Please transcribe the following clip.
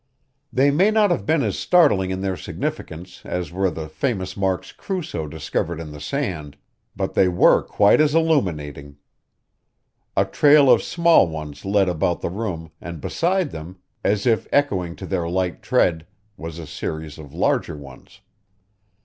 They may not have been as startling in their significance as were the famous marks Crusoe discovered in the sand, but they were quite as illuminating. A trail of small ones led about the room and beside them, as if echoing to their light tread, was a series of larger ones.